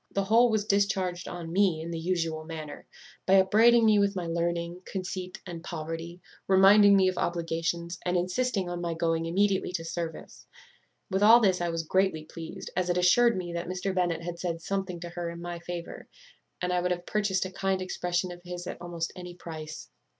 The whole was discharged on me in the usual manner, by upbraiding me with my learning, conceit, and poverty; reminding me of obligations, and insisting on my going immediately to service. With all this I was greatly pleased, as it assured me that Mr. Bennet had said something to her in my favour; and I would have purchased a kind expression of his at almost any price.